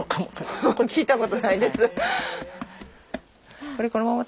聞いたことないです。